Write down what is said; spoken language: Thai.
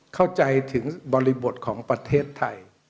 เข้าใจถึงบริบทของประเทศไทย